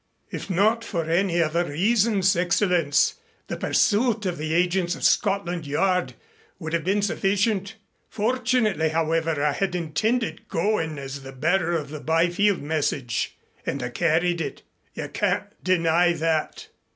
"If not for any other reasons, Excellenz, the pursuit of the agents of Scotland Yard would have been sufficient. Fortunately, however, I had intended going as the bearer of the Byfield message. And I carried it. You can't deny that."